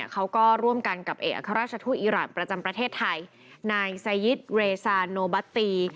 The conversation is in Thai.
เขาก็ร่วมกันกับเอกอัครราชทูตอีรานประจำประเทศไทยนายไซยิตเรซาโนบัตตี